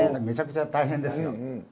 めちゃくちゃ大変ですよ。